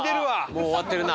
もう終わってるな。